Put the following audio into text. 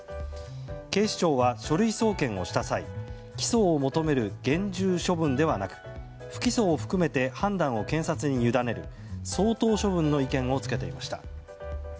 警視庁は書類送検をした際起訴を求める厳重処分ではなく不起訴を含めて判断を検察に委ねる相当処分の意見を付けていました。